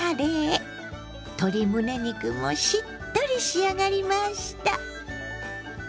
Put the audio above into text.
鶏むね肉もしっとり仕上がりました。